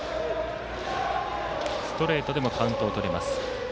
ストレートでもカウントをとります。